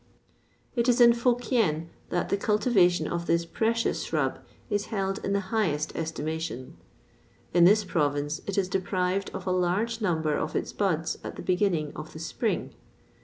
It is in Fo Kien that the cultivation of this precious shrub is held in the highest estimation. In this province it is deprived of a large number of its buds at the beginning of the spring.